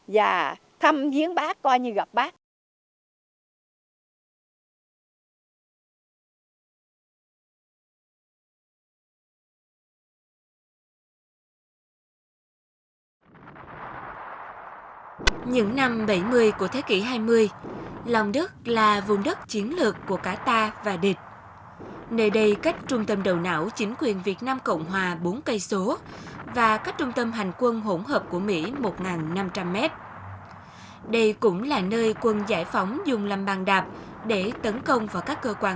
và thăm viên bác coi như gặp bác